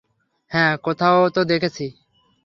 হ্যাঁ, কোথাও তো দেখেছি।